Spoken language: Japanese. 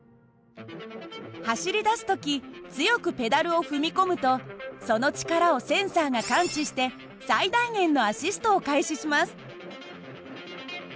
走り出す時強くペダルを踏み込むとその力をセンサーが感知して最大限のアシストを開始します。